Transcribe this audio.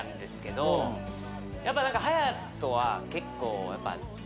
やっぱ隼人は結構。